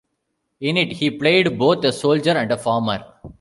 In it, he played both a soldier and a farmer.